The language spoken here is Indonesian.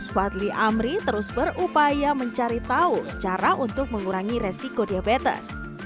fadli amri terus berupaya mencari tahu cara untuk mengurangi resiko diabetes